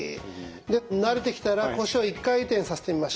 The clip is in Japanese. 慣れてきたら腰を１回転させてみましょう。